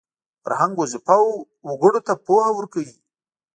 فرهنګ وظیفه وګړو ته پوهه ورکوي